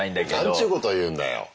なんちゅうことを言うんだよ。